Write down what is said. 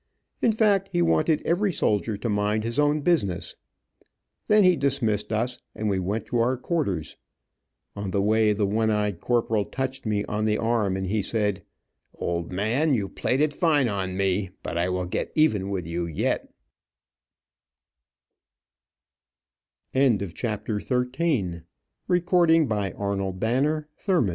In fact he wanted every soldier to mind his own business. Then he dismissed us, and we went to our quarters. On the way, the one eyed corporal touched me on the arm, and he said: "Old man, you played it fine on me, but I will get even with you yet."